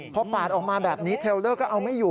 พอปาดออกมาแบบนี้เทรอร์ฟเล่าก็เอาไม่อยู่